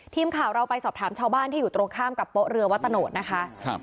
ทีมข่าวเราไปสอบถามชาวบ้านที่อยู่ตรงข้ามกับโป๊ะเรือวัตโนธนะคะครับ